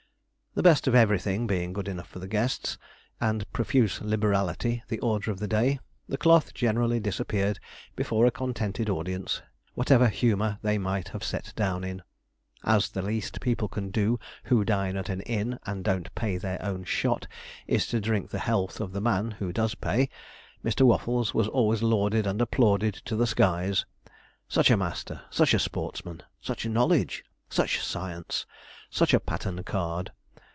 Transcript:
The best of everything being good enough for the guests, and profuse liberality the order of the day, the cloth generally disappeared before a contented audience, whatever humour they might have set down in. As the least people can do who dine at an inn and don't pay their own shot, is to drink the health of the man who does pay, Mr. Waffles was always lauded and applauded to the skies such a master such a sportsman such knowledge such science such a pattern card.